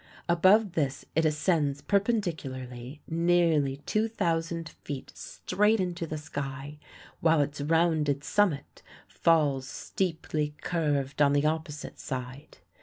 Above this it ascends perpendicularly nearly 2,000 feet straight into the sky, while its rounded summit falls steeply curved on the opposite side.